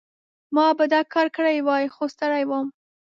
ما به دا کار کړی وای، خو ستړی وم.